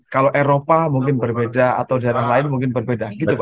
kalau eropa mungkin berbeda atau daerah lain mungkin berbeda gitu pak ya